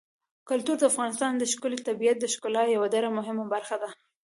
کلتور د افغانستان د ښکلي طبیعت د ښکلا یوه ډېره مهمه برخه ده.